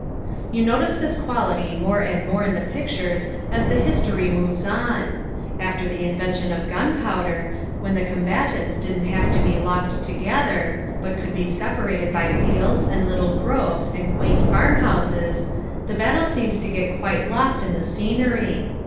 You notice this quality more and more in the pictures as the history moves on. After the invention of gunpowder, when the combatants didn't have to be locked together, but could be separated by fields, and little groves and quaint farm houses, the battle seems to get quite lost in the scenery.